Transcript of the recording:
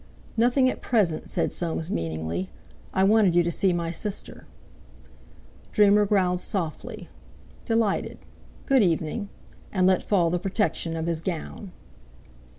"Nothing at present," said Soames meaningly; "I wanted you to see my sister." Dreamer growled softly: "Delighted. Good evening!" And let fall the protection of his gown.